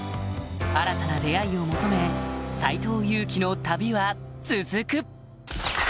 新たな出会いを求め斎藤佑樹の旅は続く！